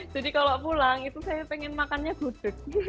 jadi kalau pulang itu saya pengen makannya gudeg